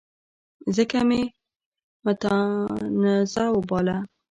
ځکه مې متنازعه وباله.